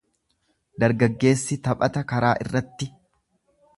Dargaggeessi taphata karaa irratti.